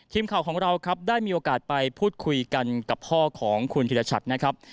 ทีมข่าวของเราครับได้มีโอกาสไปพูดคุยกันกับพ่อของคุณธิรชัดนะครับ